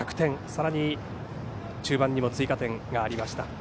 さらに中盤にも追加点がありました。